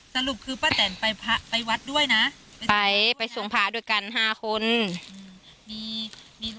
สรุปคือป้าแต่นไปพระไปวัดด้วยนะไปไปส่งพระด้วยกันห้าคนอืม